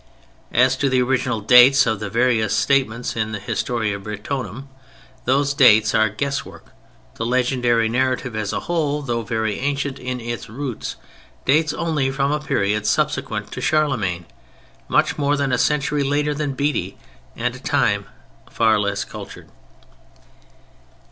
As to the original dates of the various statements in the Historia Brittonum, those dates are guesswork. The legendary narrative as a whole, though very ancient in its roots, dates only from a period subsequent to Charlemagne, much more than a century later than Bede and a time far less cultured.